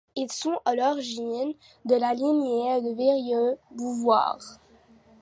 Ils sont à l'origine de la lignée de Virieu-Beauvoir.